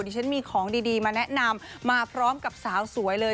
ดิฉันมีของดีมาแนะนำมาพร้อมกับสาวสวยเลย